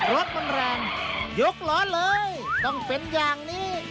รถมันแรงยกล้อเลยต้องเป็นอย่างนี้